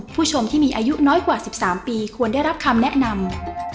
ผู้ชมที่มีอายุน้อยกว่า๑๓ปีควรได้รับคำแนะนำ